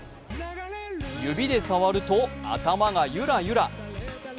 指で触ると頭がゆらゆら。